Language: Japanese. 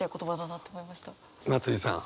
松居さん